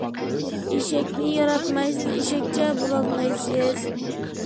ئېشەكنى ياراتمايسىز، ئېشەكچە بولالمايسىز.